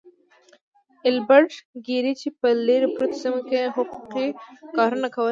ايلبرټ ګيري چې په لرې پرتو سيمو کې يې حقوقي کارونه کول.